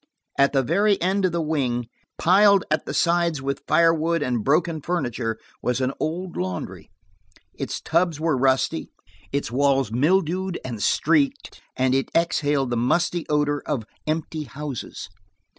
At the very end of the wing, dismantled, piled at the sides with firewood and broken furniture, was an old laundry. Its tubs were rusty, its walls mildewed and streaked, and it exhaled the musty odor of empty houses.